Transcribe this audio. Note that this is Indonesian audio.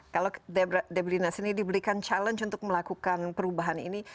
kalau debra dina sendiri diberikan challenge untuk melakukan perubahan ini